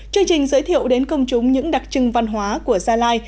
chương trình giới thiệu đến công chúng những đặc trưng văn hóa của gia lai